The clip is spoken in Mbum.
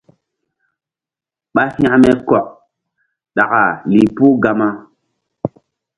Ɓa hȩkme kɔk ɗaka lih puh Gama.